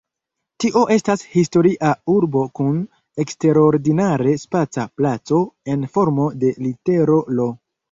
Tio estas historia urbo kun eksterordinare spaca placo en formo de litero "L".